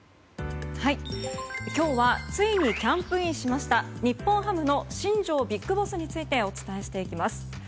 今日はついにキャンプインしました日本ハムの新庄ビッグボスについてお伝えしていきます。